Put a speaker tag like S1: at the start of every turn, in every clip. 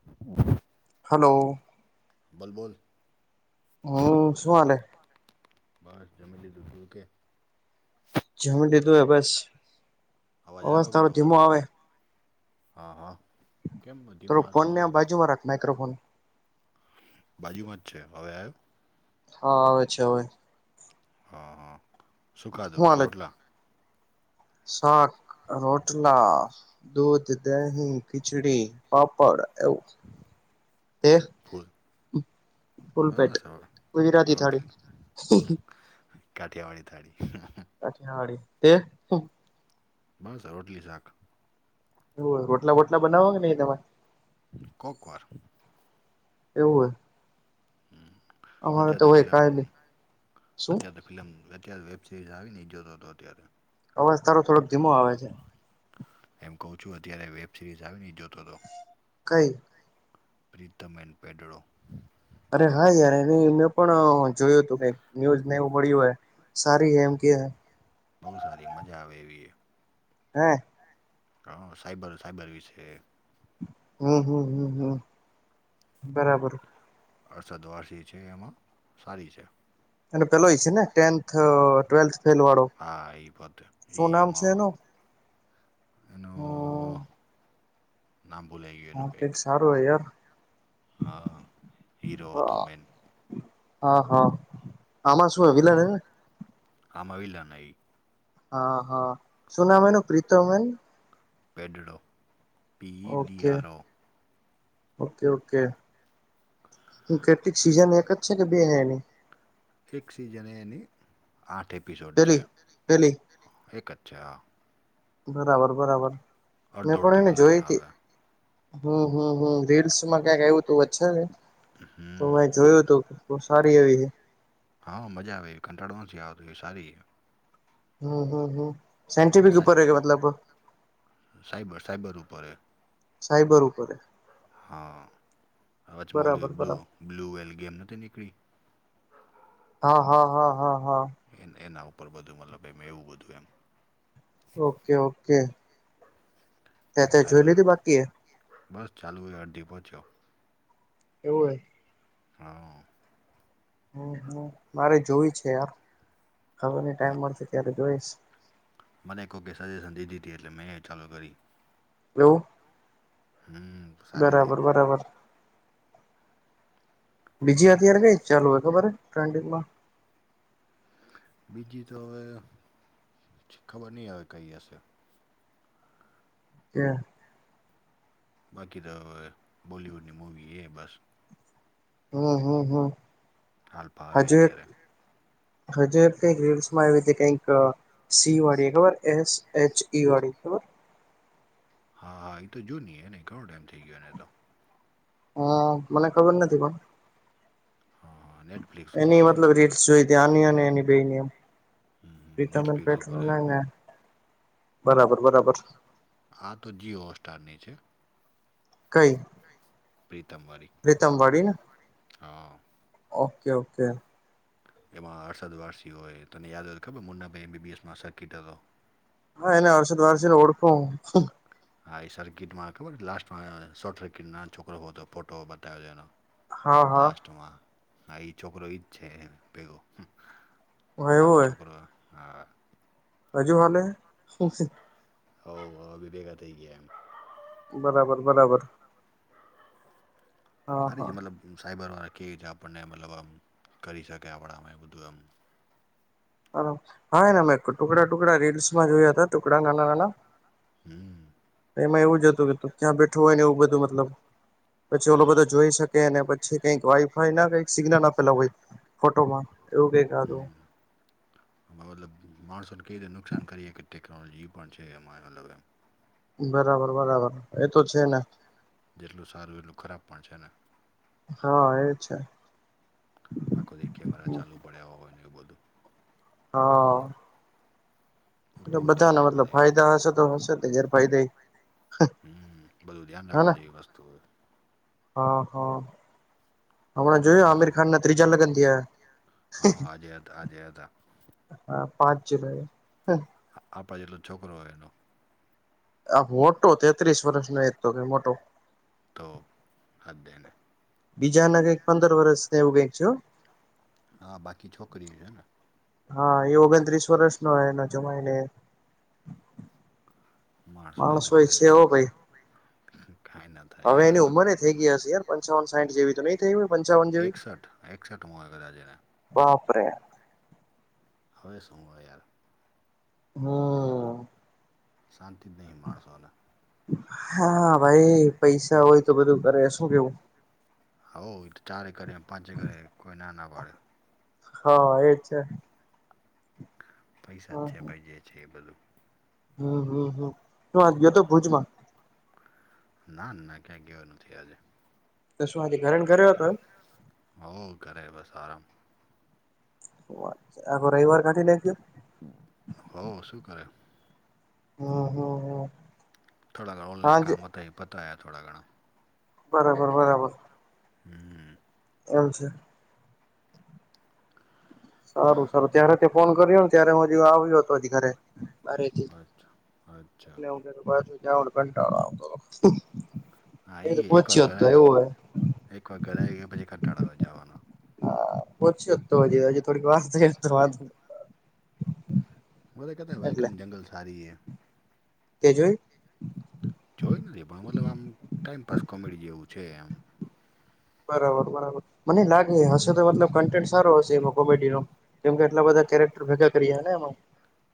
S1: [inaudible]
S2: Hello.
S1: બોલ બોલ
S2: હમ્મ શું હાલે
S1: બસ જમી લીધુ તું કે
S2: જમી દીધું હે બસ અવાજ
S1: આવે
S2: તારો
S1: બરોબર
S2: ધીમો આવે
S1: હા હા કેમ બધીમાં વાત બરોબર
S2: શું અરે માઇક્રોફોન
S1: બાજુમાં જ છે હવે આવ્યો
S2: હા આવે છે હોવે
S1: હા હા સુ ખાધુ રોટલા
S2: સાક રોટલા દૂધ દહીં ખીચડી પાપડ એવું તે
S1: ફુલ
S2: ફૂલ પેટ
S1: બસ આઠ
S2: ગુજરાતી થાળી
S1: [unintelligible] કાઠિયાવાળી થાડી
S2: કઠિયાવાળી તે હું
S1: મળશે રોટલી શાખ
S2: એવુ રોટલા વોટલા બનાવા હે કે નહી તમારે
S1: કોકવાર
S2: કેવું હે
S1: હમ્મ અત્યાર તો
S2: હોય
S1: ફિલ્મ
S2: કાઈ નહી શું
S1: અત્યાર તો ફિલ્મ અત્યારે વેબ સિરીઝ આવી નહી જોતો હતો અત્યારે
S2: અવાજ તારો થોડોક ધીમો આવે છે.
S1: એમ કહું છું અત્યારે વેબ સિરીઝ આવી એ જોતો હતો.
S2: કઈ?
S1: [unintelligible] પ્રીતમ એન પેઢળો
S2: અરે હા યાર એની પણ અ જોયું હતું કે ન્યૂઝ એવું મળ્યું હોય સારી એમ કે હે
S1: બહુ સારી મજા આવે એવી હે
S2: નઈ
S1: હ સાયબર સાયબર વિશે
S2: હમ્મ હમ્મ હમ્મ હમ્મ બરાબર
S1: વરસાદ આસી છે એમાં સારી છે
S2: એ પેલો છે નેટેવેથ ફ વાળ
S1: હા એ પદ ઈ
S2: શું નામ છે
S1: એમાં
S2: એનુ
S1: એનું ના બુલાઈ ગયું
S2: નામ
S1: એનું
S2: કઈક
S1: બાઈક
S2: સારું હ યાર
S1: હા હીરો હતો મેન
S2: હા હા. આમાં શું વિલન હે ને
S1: આામાંવલા નઈ
S2: હા હા સુનામન પ્રીત મેન
S1: પેડડો
S2: ઓકે
S1: પીડીઆરો ઓ
S2: ઓકે ઓકે કેટલીક સીઝન એક જ છે કે બેય એની
S1: એક સિઝન એની આઠ એપિસોડ છે
S2: પેલી પેલી
S1: એક જ છે હા
S2: બરાબર બરાબર, મેં
S1: અડધો
S2: પણ
S1: અડધો
S2: એને જોઈ
S1: કલાકના
S2: તી
S1: આવે
S2: હમ હમ રીલ્સમાં ક્યાંક એવું તું છે ને તો
S1: હમ
S2: મેં જોયું હતું બવ સારી એવી છે.
S1: હા મજા આવે કંટાળવા નહી આવતો સારી હે.
S2: હમ હમ હમ સાયન્ટિફિક ઉપર કે મતલબ
S1: સાઇબર સાઇબર ઉપર
S2: સાયબર ઉપર હે
S1: સાબર હા. હચમોલી
S2: બરાબર
S1: બ્લુ
S2: બરાબર
S1: બ્લુ વેલ ગેમ નથી નીકળી
S2: હા હા હા હા હા.
S1: એ એના ઉપર બધું મતલબ એમ એવું બધું એમ
S2: ઓકે ઓકે
S1: ઓ
S2: તે
S1: કે
S2: તે જોઈ
S1: સાહેબર
S2: લીધી બાકી એ
S1: બસ ચાલુ અડધી પહોંચ્યો.
S2: એવું હોય.
S1: હા.
S2: હમ હમ મારે જોય છે યાર ખબર નઈ
S1: મ
S2: ટાઈમ મળશે ત્યારે જોઈશ.
S1: મને એક વખ સજેશન દીધી તી એટલે મેં ચાલુ કરી.
S2: એવું.
S1: હમ. સારી છે
S2: બરાબર બરાબર. બીજી અત્યારે કઈ ચાલુ હ ખબર ટ્રેન્ડિંગમાં
S1: બીજી તો હવે ખબર નહી હવે કઈ હશે.
S2: ક્યાં.
S1: બાકી તો બોલીવુડની મૂવી એ બસ.
S2: હમ હમ હમ.
S1: હાલ ભાવી એ
S2: હજુ એક
S1: અત્યારે.
S2: હજુ કઈક રીલ્સમાં આવીવી રીતે કઈક સી વાળી ખબર એસ એચ ઈ વાળી ખબર
S1: હા હા એ તો જો નઈ એને ઘણો ટાઈમ થઈ ગયો એને તો
S2: હા મને ખબર નથી કોણ.
S1: હા હા નેગ.
S2: એની મતલબ રિલ્સ જોઈ આની અને એની બે એની એમ
S1: હમ નેટફ્લિક્સ ઉપર છે
S2: [unintelligible] બરાબર બરાબર.
S1: આ તો જીઓ હોટ સ્ટારની છે.
S2: કઈ?
S1: કઈ પ્રીતમ વારી.
S2: પ્રીતમ વાડી ને, ઓકે ઓકે.
S1: એમાં અરસદ વારસી હોય તને યાદ હોય ખબર મુન્નાભાઈ એમ બી બી એસમાં સરકિટ હતો.
S2: હા એને અરષદ વારસીને ઓળખૂ હું હ.
S1: હા એ સર્કિટમાં ખબર લાસ્ટ માં શોર્ટ સર્કિટ નાન છોકરો હોતો ફોટો બતાવ્યો એનો.
S2: હા હા
S1: લાસ્ટમાં આ એ છોકરો ઈ જ છે ભેગો. નાનો
S2: એવું હે
S1: છોકરો હા.
S2: હજુ હાલે
S1: ભેગા થઈ ગયા એમ.
S2: બરાબર બરાબર. હા
S1: સારી
S2: હા
S1: છે મતલબ સાઈબર વાળા કે છે આપણને મતલબ આમ કરી શકાય આપણામાં એ બધું એમ.
S2: હા એના મેં ટુકડા ટુકડા રીલ્સમાં જોયા હતા ટુકડા નાના નાના.
S1: હમ.
S2: એમાં એવું જ હતું કે તું ક્યાં બેઠું હોય ને એવું બધું મતલબ. પછી ઓલો
S1: હા.
S2: બધો જોઈ શકે અને પછી કઈક વાઈફાઈ ના કઈક સિગ્નલ આપેલા હોય. ફોટોમાં એવું કંઈક હતું.
S1: એમાં મતલબ માણસોને કેવી રીતે નુકસાન કરીએ કે ટેકનોલોજી પણ છે. એમાં અલગ એમ
S2: બરાબર બરાબર એ તો છે. ને
S1: જેટલું સારુંએટલું ખરાબ પણ છે. ને
S2: હા એ છે.
S1: આખોદી કેમેરા ચાલુ પડ્યા હોય ને એ બધું.
S2: હા હા.
S1: બોવ
S2: મતલબ
S1: ધ્યાન
S2: ફાયદા હશે તો
S1: રાાખવા
S2: હશે તે
S1: જ
S2: ગેરફાયદા
S1: એ હું બધું ધ્યાન
S2: હેને
S1: રાખવા જેવી વસ્તુ હોય.
S2: હા હા.
S1: જો
S2: હમણાં
S1: ને
S2: જોયું
S1: માણસો
S2: આમિર ખાન ના ત્રીજા લગન
S1: હા આજે હતા આજે હતા
S2: હા પાંચ જુલાઈ હ
S1: આપડા જેટલો છોકરો હોય એનો.
S2: આ મોટો તેત્રીસ વર્ષ નો એજ તો કે મોટો.
S1: તો હાથ દેને.
S2: બીજા ના કંઈક પંદર વર્ષ ને એવું કાંઇક છે.
S1: હા બાકી છોકરી છે. ને
S2: હા એ ઓગણત્રીસ વર્ષ નો હો જમાય ને માણસ છે. હો ભાઈ
S1: હમ કાંઇ ન થાય.
S2: હવે
S1: યાર આ
S2: એની
S1: લોકો
S2: ઉંમરે થઈ ગયા હશે યાર પંચાવન સાઈઠ‌ જેવી તો નઈ થઈ. પંચાવન જેવી
S1: એકસઠ એકસઠ મુ કદાચ‌ એને
S2: બાપરે.
S1: હવે હું હોય.
S2: હમ.
S1: શાંતિ નહી માણસોના ને.
S2: હા ભાઈ પૈસા હોય તો બધું કરે શું કેવું.
S1: હોવ ચારે કરે પાંચે કરે કોઈ ના ના પાડે.
S2: હા એ જ છે.
S1: પૈસા જ છે. ભાઈ જે છે. એ બધું
S2: હમ હમ હમ શું આજ ગયો હતો ભુજમાં.
S1: ના ના ક્યાંય ગયો નથી આજે.
S2: તો શું આજે ઘરે ઘરે હતો. એમ
S1: હો‌‌ ધરે બસ આરામ
S2: શૂ વાત રવિવાર કાઢી નાખયો.
S1: હમ હો શું કરે.
S2: હુ‌ હુ હુ.
S1: થોડા ઘણા ઓનલાઇન કામ હતાં પતાયા થોડા ઘણા.
S2: બરાબર બરાબર.
S1: હમ હમ.
S2: એમ છે. સારું સારું ત્યારે તે ફોન કર્યો ને ત્યારે હું જ આવ્યો હતો ઘરેથી.
S1: અરછા.
S2: પાછું જાવાનો કંટાળો આવતો
S1: હા
S2: એ તો
S1: એક વાર
S2: પહચ્યો જ
S1: ઘરે
S2: તો
S1: આવી
S2: એવું છે.
S1: એક વાર ધરે આવી ગયા પછી જવાનો.
S2: પછી તો જ થોડી વાત વા
S1: બ તો કતા
S2: એટલે
S1: વેલકમ જંગલ સારી છે.
S2: તે જોઈ.
S1: જોઈ નથી પણ મતલબ આમ ટાઈમપાસ કોમેડી જેવું છે. એમ
S2: બરાબર બરાબર મને લાગે હશે તો મતલબ કન્ટેન્ટ સારો હશે. કોડી નો કેમ કે એટલા બધા કેરેક્ટર ભેગા કરી ને એમાં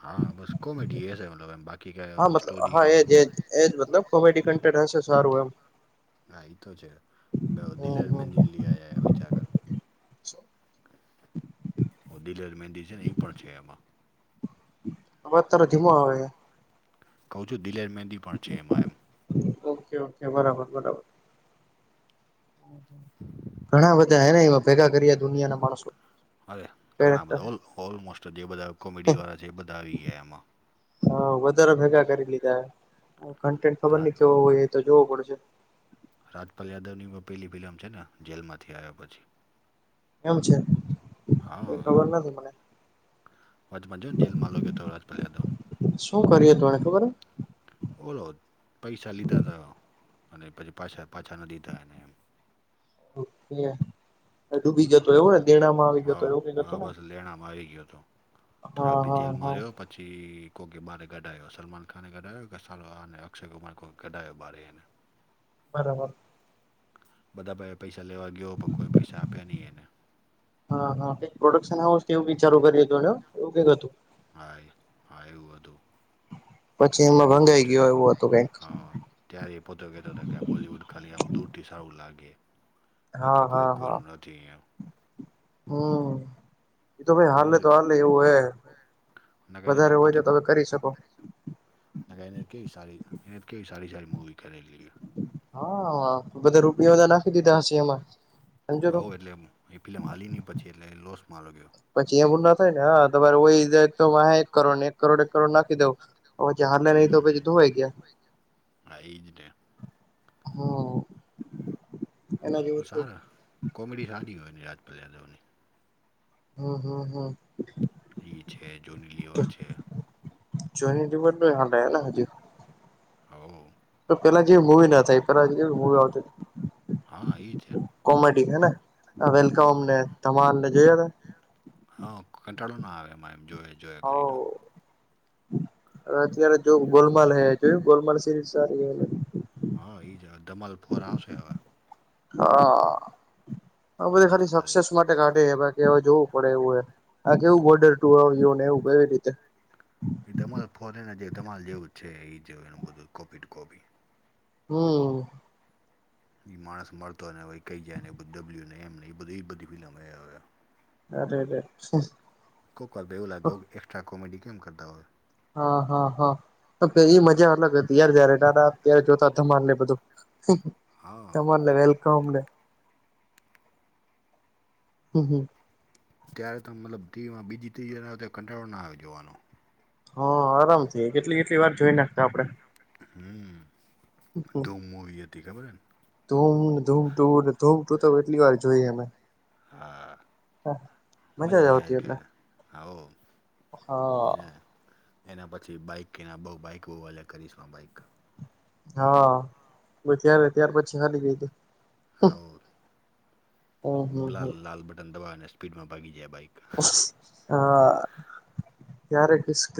S1: હા બસ કોમેડી એ છે મતલબ એમ બાકી
S2: હા
S1: કાઈ
S2: મતલબ
S1: સ્ટોરી
S2: હા
S1: કે હો
S2: એજ એજ એજ મતલબ કોમેડી કન્ટેન્ટ હશે સારું એમ
S1: હા ઈતો છે
S2: હમ
S1: [unintelligible] વિચા કર ઓ દિલેર મેંદી છે ને ઈ પણ છે એમાં
S2: અવાજ તારો ધીમો આવૅ
S1: કહું છું દિલેર મહેંદી પણ છે એમાં એમ
S2: ઓકે ઓકે બરાબર બરાબર ઘણા બધા હેને એમાં ભેગા કરીએ દુનિયા ના માણસો
S1: અરે ઘણા
S2: કેરેક્ટર
S1: બધા ઓ ઓલમોસ્ટ જે બધા કોમેડી વાળા છે બધા આવી ગયા એમાં
S2: હા વધારે ભેગા કરી લીધા કન્ટેન્ટ ખબર
S1: રા
S2: ની કેવો હોય એ તો જોવો પડશે
S1: રાજપાલ યાદવ ની પેલી ફિલમ છે ને જેલમાંથી આવ્યા પછી
S2: એમ છે ખબર નથી મને
S1: વાજમાંજન જેલમાં લગેતો રાજપાલ યાદવ
S2: શું કર્યું હતું એને
S1: ઓલો પૈસા લીધા હતા અને પછી પાછા પાછા ન દીધા ને એમ
S2: [inaudible] ડુબી જતો એવો ને ગેણા માં આવી ગતો
S1: હા
S2: એવું કઈક હતું
S1: હા
S2: ને
S1: બસ લેણામાં આવી ગયો હતો
S2: હા
S1: થોડાક
S2: હા
S1: બીજેલ
S2: હા
S1: માર્યો પ જી કોકે બાર ગઢાય સલમાન ખાનને ગઢાયો કે સને અક્ષય કુમાર [unintelligible]
S2: બરાબર
S1: બધા પાહે પૈસા લેવા ગયો પણ કોઈ પૈસા આપે ની એને
S2: હા હા કઈક પ્રોડક્શન હાઉસ એવું વિચારું કર હતું એવું કઈક હતું
S1: હાય હા એવું હતું
S2: પછી
S1: તેં
S2: એમાં
S1: રિપોર્ટ
S2: ભંગાઈ ગયો એવું હતું કઈક
S1: હા ત્યારે એ પોતે કહેતો હતા કે બોલીવૂડ ખાલી આમ દૂરથી સારું લાગે
S2: હા
S1: બાકી
S2: હા
S1: કોઈ
S2: હા
S1: કોઈનું ન થી એમ
S2: હમ એતો
S1: ને
S2: ભાઈ
S1: કહે
S2: હાલે તો હાલે એવું હે
S1: ને કહે
S2: વધારે હોય
S1: પોતે
S2: તો તમે કરી શકો
S1: [unintelligible] કેવી સારી કેવી સારી સારી મૂવી કરેલી
S2: હા બધા રૂપિયોના નાખી દીધા હશે એમાં સમજોતો
S1: હવ એટલે એ ફિલમ હાલી ની પછી એટલે લોસ મા લગ્યો
S2: પછી એવું ન થાય ને તમારે હોય જાય તો એક કરોડને એક કરોડ એક કરોડ નાખી દઉં [unintelligible] રેય તો
S1: હમ
S2: પસી ધોવાઈ ગયા
S1: હા ઈજ ને
S2: હમ એના જેવું થયું
S1: પસારા કોમેડી સારી હોય રાજપલ યાદવની
S2: હમ હમ હમ
S1: ઈ છે જોનીલિવર છે
S2: જોનીલીવર [unintelligible] હજુ
S1: હવ
S2: તો પેલા જેવી મુવી ના થાય પેલાવી મુવી આવતી
S1: હા ઈ છે
S2: હતી કોમેડી હેને વેલકમને ધમાલને જોયા તા
S1: હા કંટાળો ના આવે એમાં એમ જોયા જોયા કરી તો
S2: હ અત્યારે જો ગોલમાલ હે જોયું ગોલમાલ સિરીઝ સારી [inaudible]
S1: હા ઈ જ ધમાલ ફોર આવશે હવે
S2: હા હ બધ
S1: દસ
S2: ખાલી
S1: તારીખ
S2: સક્સેસ માટે કાઢે બાકી જોવું પડે એવું એ. આ કેવું બોર્ડર ટ આવને એવું કેવી રીતે.
S1: એ ધમાલ ફોરેન જે ધમાલ જેવું છે એ જો એનું બધું કોપી ટુ કોપી
S2: હમ.
S1: એ માણસ મળતો ને હ કઈ જાય ને એ ડબલ્યુ ને એમ નને એ બધી એ બધી ફિલ્મ
S2: અરેરે શું.
S1: કોકલ બેવલા ગોગ એક્સ્ટ્રા કોમેડડી કેમ કરતા હોય.
S2: હા હા હા એ મજા અલગ હતી યાર જયારે દાા ત્યારે જોતા તમાને બધું.
S1: હા
S2: તમારને વેલકમને. હમ હમ.
S1: ત્યારે ત મતલબ ટીવીમાં બીજી ત્રી જનાતે કંટાળો ના આવ્યો જોવાનો.
S2: હા આરામથી કેટલી કેટલી વાર જોઈ નાખતા આપડે.
S1: હમ દમવીયા દખા પ
S2: ધૂમને ધૂમ ટૂને ધૂમ ટું તો એટલી વાર જોઈએ અમે
S1: હા મજા
S2: જ
S1: આવ
S2: આવતી એટલે
S1: આજકાલ આવો.
S2: હા
S1: એને એના પછી બાઈક એના બ બાઈક બુ એ કરીશું બાઈક.
S2: હા ત્યારે ત્યાર પછી ખાલી ગય તી. હમ હમ હમ
S1: હાલાાલ લાલ બટન દબાવ અને સ્પીડમાં ભાગી જાય બાઈક.
S2: હ ક્યારે કક